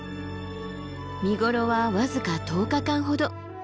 見頃は僅か１０日間ほど。